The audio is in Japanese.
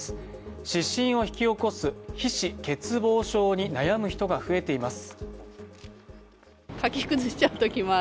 湿疹を引き起こす皮脂欠乏症に悩む人が増えています。